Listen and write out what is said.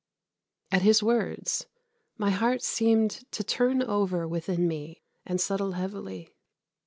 At his words, my heart seemed to turn over within me and settle heavily.